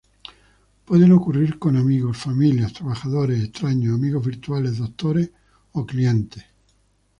Pueden ocurrir con amigos, familias, trabajadores, extraños, amigos virtuales, doctores o clientes.